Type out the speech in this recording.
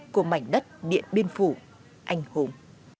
của mảnh đất điện biên phủ anh hùng